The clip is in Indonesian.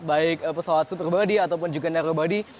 baik pesawat super body ataupun juga naruh body